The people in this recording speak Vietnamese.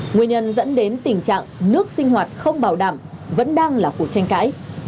nguyên nhân dẫn đến tình trạng nước sinh hoạt không bảo đảm vẫn đang là cuộc tranh cãi